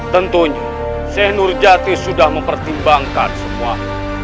tentunya seh nurjati sudah mempertimbangkan semuanya